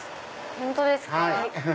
本当ですか？